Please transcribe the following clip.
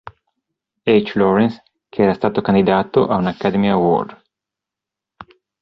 H. Lawrence, che era stato candidato a un Academy Award.